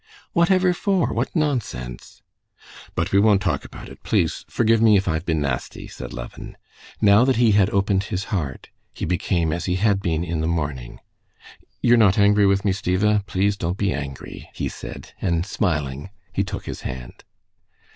"What ever for? What nonsense!" "But we won't talk about it. Please forgive me, if I've been nasty," said Levin. Now that he had opened his heart, he became as he had been in the morning. "You're not angry with me, Stiva? Please don't be angry," he said, and smiling, he took his hand.